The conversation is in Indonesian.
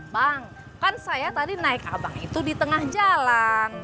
bang kan saya tadi naik abang itu di tengah jalan